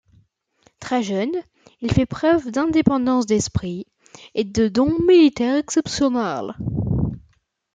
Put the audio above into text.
Très jeune, il fait preuve d'indépendance d'esprit et de dons militaires exceptionnels.